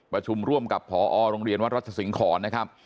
ประชุมร่วมกับผอโรงเรียนวัดรัชสิงหอนนะครับ